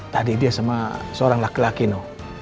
tadi dia sama seorang laki laki no